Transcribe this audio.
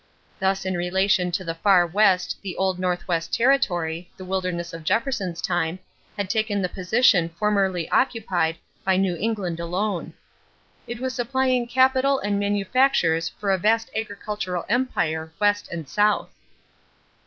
Thus in relation to the Far West the old Northwest territory the wilderness of Jefferson's time had taken the position formerly occupied by New England alone. It was supplying capital and manufactures for a vast agricultural empire West and South.